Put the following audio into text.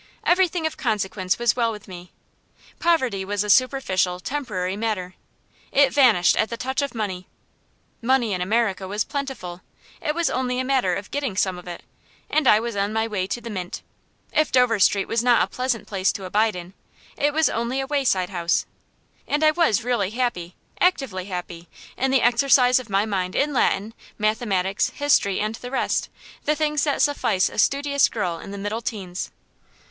Everything of consequence was well with me. Poverty was a superficial, temporary matter; it vanished at the touch of money. Money in America was plentiful; it was only a matter of getting some of it, and I was on my way to the mint. If Dover Street was not a pleasant place to abide in, it was only a wayside house. And I was really happy, actively happy, in the exercise of my mind in Latin, mathematics, history, and the rest; the things that suffice a studious girl in the middle teens.